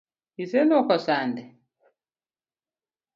Iseluoko sande?